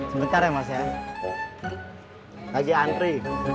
sebentar ya mas ya lagi antri